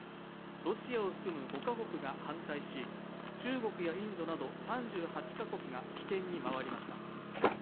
ロシアを含む５カ国が反対し中国やインドなど３８カ国が棄権に回りました。